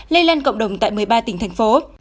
lây lan cộng đồng tại một mươi ba tỉnh thành phố